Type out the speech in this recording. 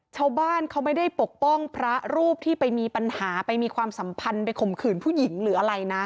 ชาวบ้านเขาไม่ได้ปกป้องพระรูปที่ไปมีปัญหาไปมีความสัมพันธ์ไปข่มขืนผู้หญิงหรืออะไรนะ